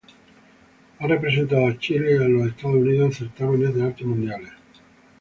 Ha representado a Chile y los Estados Unidos en certámenes de arte mundiales.